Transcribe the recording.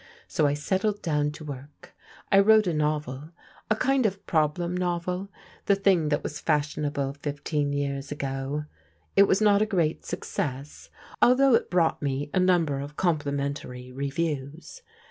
So I settled down to work. I wrote a novel, a kind of problem novel — the thing that was fashionable fifteen years ago. It was not a great success, although it brought me a number of compli mentary reviews.